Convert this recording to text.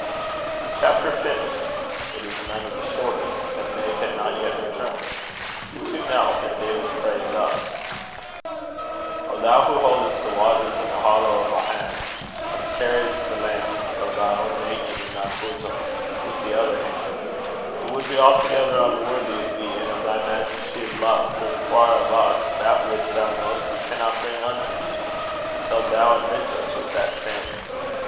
The chapter finished it is none of the shortest, and Meg had not yet returned the two knelt, and David prayed thus: "O Thou who holdest the waters in the hollow of ae han', and carriest the lambs o' thy own making in thy bosom with the other han', it would be altogether unworthy o' thee, and o' thy Maijesty o' love, to require o' us that which thou knowest we cannot bring unto thee, until thou enrich us with that same.